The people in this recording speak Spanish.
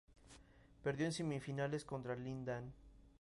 Perdió en semifinales contra Lin Dan.